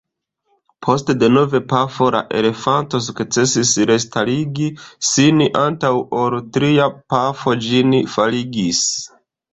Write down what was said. Post denova pafo la elefanto sukcesis restarigi sin antaŭ ol tria pafo ĝin faligis.